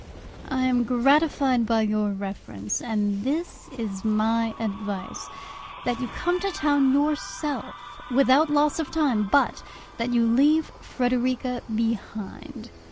I am gratified by your reference, and this is my advice: that you come to town yourself, without loss of time, but that you leave Frederica behind.